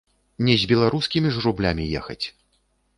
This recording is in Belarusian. Не з беларускімі ж рублямі ехаць!